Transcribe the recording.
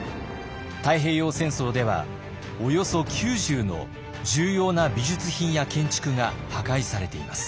太平洋戦争ではおよそ９０の重要な美術品や建築が破壊されています。